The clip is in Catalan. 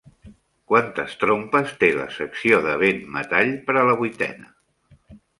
Quantes trompes té la secció de vent-metall per a la Vuitena?